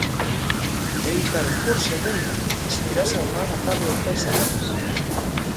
Evitaron por segundos que se tirase ao mar atado de pés e mans.